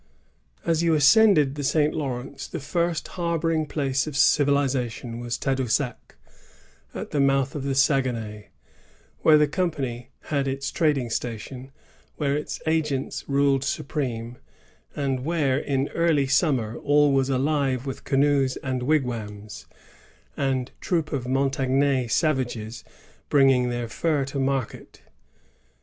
As you ascended the St. Lawrence, the first har boring place of civilization was Tadoussac, at the mouth of the Saguenay, where the company had its trading station, where its agente ruled supreme, and where, in early summer, all was alive with canoes and wigwams, and troops of Montagnais savages, bringing their furs to market.